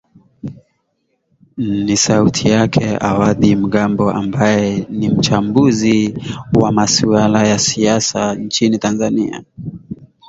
ni sauti yake awadhi mgambo ambae ni mchambuzi wa masuala ya siasa nchini tanzania